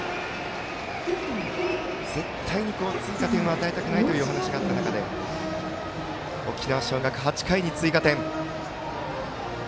絶対に追加点を与えたくないというお話があった中で沖縄尚学、８回に追加点。